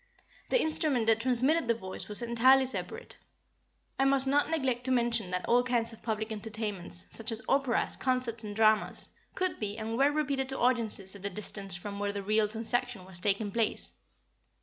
The instrument that transmitted the voice was entirely separate. I must not neglect to mention that all kinds of public entertainments, such as operas, concerts and dramas, could be and were repeated to audiences at a distance from where the real transaction was taking place.